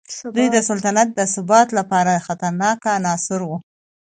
دوی د سلطنت د ثبات لپاره خطرناک عناصر وو.